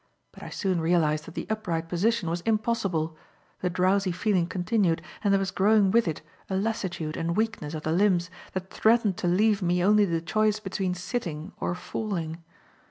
But I soon realized that the upright position was impossible. The drowsy feeling continued and there was growing with it a lassitude and weakness of the limbs that threatened to leave me only the choice between sitting or falling.